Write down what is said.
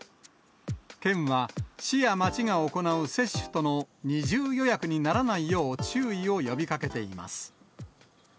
県は、市や町が行う接種との二重予約にならないよう注意を呼びかけています。